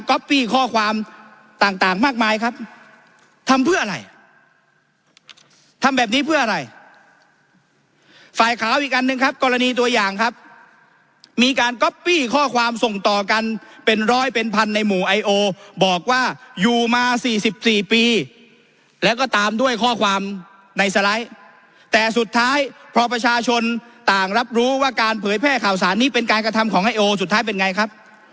ข้อความต่างมากมายครับทำเพื่ออะไรทำแบบนี้เพื่ออะไรฝ่ายขาวอีกอันหนึ่งครับกรณีตัวอย่างครับมีการก๊อปปี้ข้อความส่งต่อกันเป็นร้อยเป็นพันในหมู่ไอโอบอกว่าอยู่มาสี่สิบสี่ปีแล้วก็ตามด้วยข้อความในสไลด์แต่สุดท้ายพอประชาชนต่างรับรู้ว่าการเผยแพร่ข่าวสารนี้เป็นการกระทำของไอโอสุดท้ายเป็นไงครับ